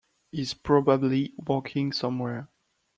He's probably working somewhere.